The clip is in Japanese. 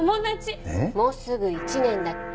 もうすぐ１年だっけ？